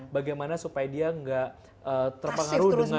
bagaimana supaya dia nggak terpengaruh dengan